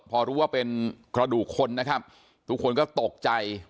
พอรู้ว่าเป็นกระดูกคนนะครับทุกคนก็ตกใจ